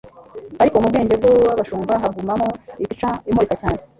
Ariko mu bwenge bw'abashumba hagumamo ipica imurika cyane